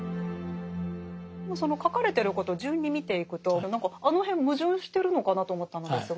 でもその書かれてることを順に見ていくと何かあの辺矛盾してるのかなと思ったのですが。